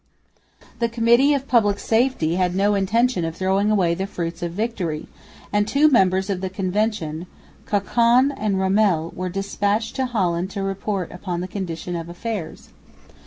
The Committee of Public Safety had no intention of throwing away the fruits of victory; and two members of the Convention, Cochon and Ramel, were despatched to Holland to report upon the condition of affairs.